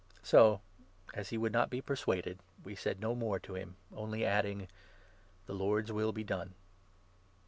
So, as he would not be persuaded, we said no more to him, 14 only adding — "The Lord's will be done."